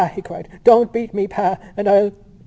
he cried. "Don't beat me, pa! And I'll